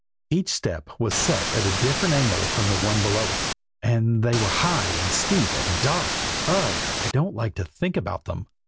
Each step was set at a different angle from the one below it; and they were high, and steep, and dark ugh! I don't like to think about them.